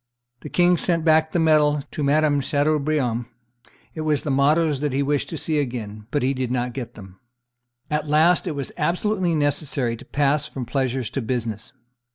The king sent back the metal to Madame de Chateaubriant; it was the mottoes that he wished to see again, but he did not get them. At last it was absolutely necessary to pass from pleasure to business.